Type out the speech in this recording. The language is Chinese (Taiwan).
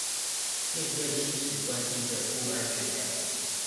面對侵蝕關係的不安全感